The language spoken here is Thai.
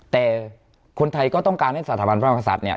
แต่คนไทยก็ต้องการให้สถาบันพระมกษัตริย์เนี่ย